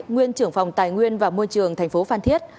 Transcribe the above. nguyên trưởng phòng tài nguyên và môi trường tp phan thiết